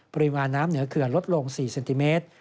ปริมาณน้ำเหนือเขื่อนลดลง๔เซนติเมตร